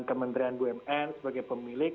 kementerian bumn sebagai pemilik